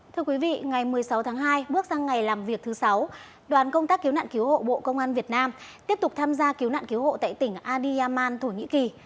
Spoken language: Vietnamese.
thưa quý vị ngày một mươi sáu tháng hai bước sang ngày làm việc thứ sáu đoàn công tác cứu nạn cứu hộ bộ công an việt nam tiếp tục tham gia cứu nạn cứu hộ tại tỉnh adiyaman thổ nhĩ kỳ